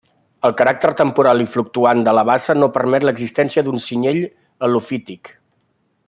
El caràcter temporal i fluctuant de la bassa no permet l'existència d'un cinyell helofític.